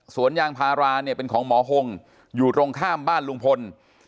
ยางพาราเนี่ยเป็นของหมอหงอยู่ตรงข้ามบ้านลุงพล